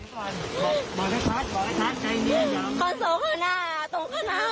พอมอเตอร์กับไหนดีกว่าบอกไอ้คลาสใครนี้